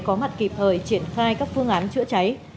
có mặt kịp thời triển khai các phương án chữa cháy